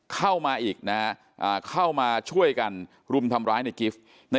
เข้ามาอีกเข้ามาช่วยกันรุมทำร้ายในกิฟต์